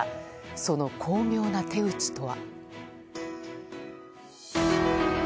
その巧妙な手口とは。